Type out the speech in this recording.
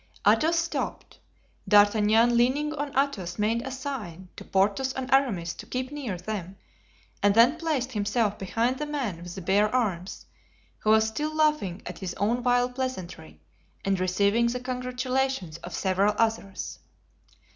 Athos stopped. D'Artagnan, leaning on Athos, made a sign to Porthos and Aramis to keep near them and then placed himself behind the man with the bare arms, who was still laughing at his own vile pleasantry and receiving the congratulations of several others.